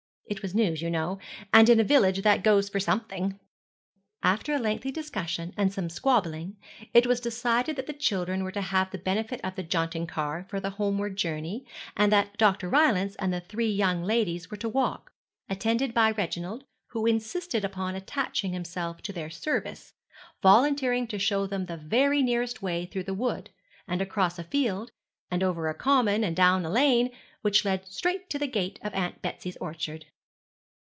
It was news, you know, and in a village that goes for something.' After a lengthy discussion, and some squabbling, it was decided that the children were to have the benefit of the jaunting car for the homeward journey, and that Dr. Rylance and the three young ladies were to walk, attended by Reginald, who insisted upon attaching himself to their service, volunteering to show them the very nearest way through a wood, and across a field, and over a common, and down a lane, which led straight to the gate of Aunt Betsy's orchard.